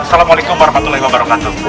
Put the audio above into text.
salamualaikum warahmatullahi wabarakatuh